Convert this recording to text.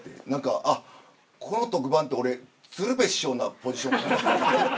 あ、この特番って、俺、鶴瓶師匠のポジション？